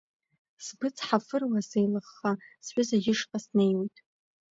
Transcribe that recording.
Сгәы цҳафыруа, сеилыхха, сҩыза ишҟа снеиуеит.